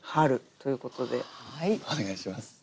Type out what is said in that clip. お願いします。